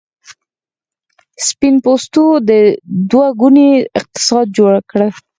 سپین پوستو دوه ګونی اقتصاد جوړ کړ.